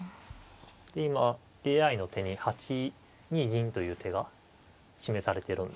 で今ＡＩの手に８二銀という手が示されてるんですけれども。